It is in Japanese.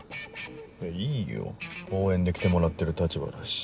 えっいいよ応援で来てもらってる立場だし。